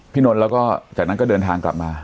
นนท์แล้วก็จากนั้นก็เดินทางกลับมา